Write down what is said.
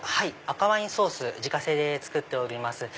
赤ワインソース自家製で作っております。